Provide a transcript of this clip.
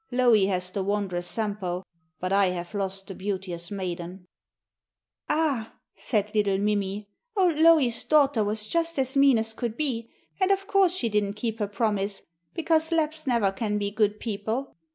Louhi has the wondrous Sampo, but I have lost the beauteous maiden.' 'Ah!' said little Mimi, 'old Louhi's daughter was just as mean as could be, and of course she didn't keep her promise, because Lapps never can be good people.'